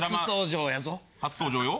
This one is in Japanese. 初登場よ。